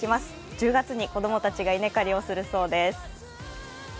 １０月に子供たちが稲刈りをするそうです。